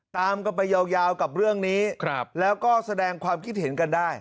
ตามกันไปยาวกับเรื่องนี้แล้วก็แสดงความคิดเห็นกันได้